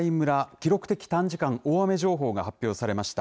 記録的短時間大雨情報が発表されました。